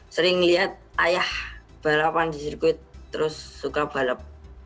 sering lihat ayah balapan di sirkuit terus suka balap